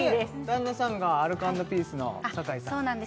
旦那さんがアルコ＆ピースの酒井さん